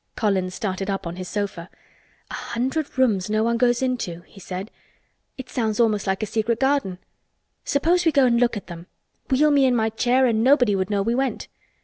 Colin started up on his sofa. "A hundred rooms no one goes into," he said. "It sounds almost like a secret garden. Suppose we go and look at them. Wheel me in my chair and nobody would know we went."